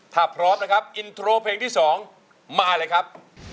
ถ้าพร้อมนะครับอินโทรเพลงที่๒มาเลยครับ